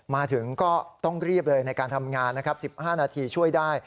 มาถึงก็ต้องรีบเลยในการทำงานนะครับ๑๕นาทีช่วยได้